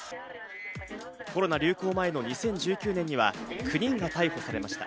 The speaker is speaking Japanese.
コロナ流行前の２０１９年には９人が逮捕されました。